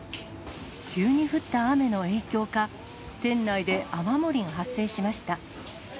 急に降った雨の影響か、店内で雨漏りが発生しました。